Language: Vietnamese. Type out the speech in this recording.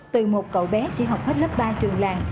từ một cậu bé chỉ học hết lớp ba trường làng